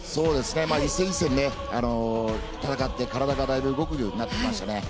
１戦１戦戦って体がだいぶ動くようになってきましたね。